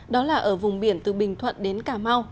đó là ở vùng biển từ bình thuận đến cà mau